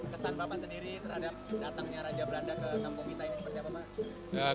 kesan bapak sendiri terhadap datangnya raja belanda ke kampung kita ini seperti apa pak